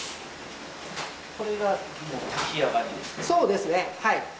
そうですねはい。